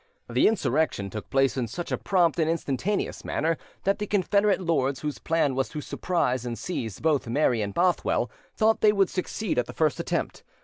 The insurrection took place in such a prompt and instantaneous manner, that the Confederate lords, whose plan was to surprise and seize both Mary and Bothwell, thought they would succeed at the first attempt.